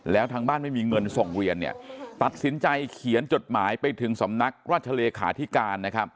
แล้วทางบ้านไม่มีเงินส่งเรียนตัดสินใจเขียนจดหมายไปถึงสำนักราชเลขาธิการ